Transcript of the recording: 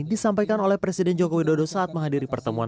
disampaikan oleh presiden joko widodo saat menghadiri pertemuan